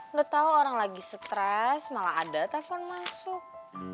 nggak tahu orang lagi stres malah ada telepon masuk